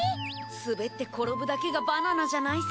滑って転ぶだけがバナナじゃないさ。